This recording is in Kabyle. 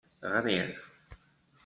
Ɣṛiɣ.